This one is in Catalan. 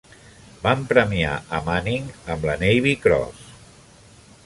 Van premiar a Manning amb la "Navy Cross".